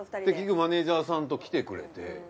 結局マネージャーさんと来てくれて。